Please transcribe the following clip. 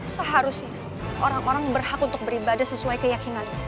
seharusnya orang orang berhak untuk beribadah sesuai keyakinan